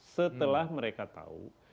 setelah mereka tahu